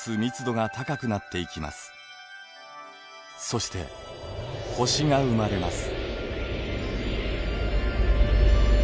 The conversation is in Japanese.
そして星が生まれます。